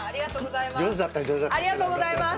ありがとうございます。